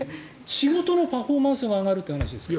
仕事のパフォーマンスが上がるって話ですから。